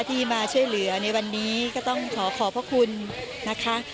ที่มาช่วยเหลือในวันนี้ก็ต้องขอขอบพระคุณนะคะ